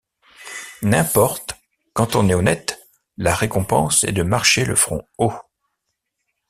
N’importe, quand on est honnête, la récompense est de marcher le front haut.